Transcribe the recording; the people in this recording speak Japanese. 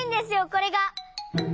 これが。